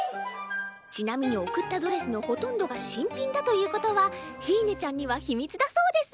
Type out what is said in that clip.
ちなみに贈ったドレスのほとんどが新品だということはフィーネちゃんには秘密だそうです。